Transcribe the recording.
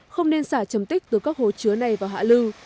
không nên xả chầm tích từ các hồ chứa này vào hạ lưu